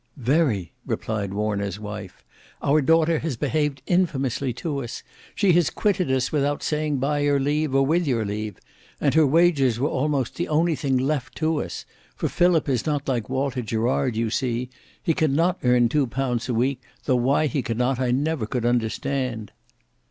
"Very!" replied Warner's wife. "Our daughter has behaved infamously to us. She has quitted us without saying by your leave or with your leave. And her wages were almost the only thing left to us; for Philip is not like Walter Gerard you see: he cannot earn two pounds a week, though why he cannot I never could understand."